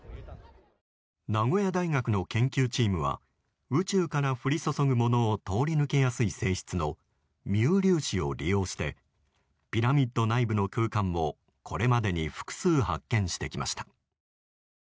名古屋大学の研究チームは宇宙から降り注ぐものを通り抜けやすい性質のミュー粒子を利用してピラミッド内部の空間をこれまでに複数発見してきました。